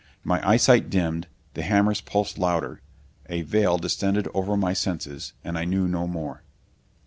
My eyesight dimmed.... The hammers pulsed louder.... A veil descended over my senses and I knew no more....